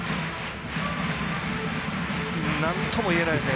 なんとも言えないですね。